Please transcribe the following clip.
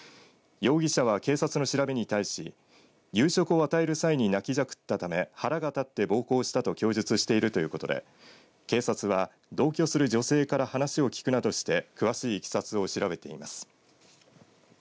容疑者は警察の調べに対し夕食をあたえる際に泣きじゃくったため腹が立って暴行したと供述しているということで警察は、同居する女性から話を聞くなどして詳しいいきさつを調べています。